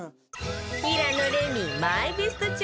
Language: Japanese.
平野レミマイベスト調味料